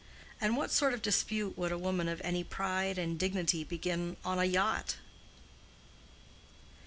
And what sort of dispute could a woman of any pride and dignity begin on a yacht?